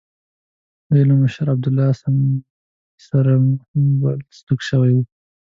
د دوی له مشر عبیدالله سندي سره هم بد سلوک شوی وو.